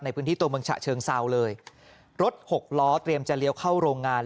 ในพื้นที่ตัวเมืองฉะเชิงเซาเลยรถหกล้อเตรียมจะเลี้ยวเข้าโรงงาน